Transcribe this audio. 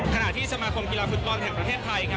ขณะที่สมาคมกีฬาฟุตบอลแห่งประเทศไทยครับ